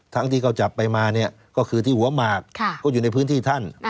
ที่เขาจับไปมาเนี่ยก็คือที่หัวหมากก็อยู่ในพื้นที่ท่าน